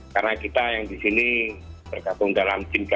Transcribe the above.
karena kita yang di sini bergabung dalam tim gabungan